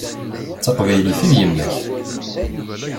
D taqbaylit i d yemma-k.